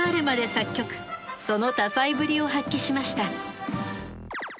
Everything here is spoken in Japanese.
その多才ぶりを発揮しました。